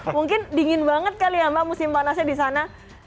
mungkin dingin banget kali ya mbak musim panasnya di sana